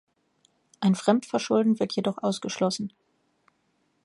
Ein Fremdverschulden wird jedoch ausgeschlossen.